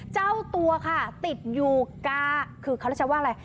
เจ้าตัวค่ะติดอยู่กัคือเขาแวะว่าอะไร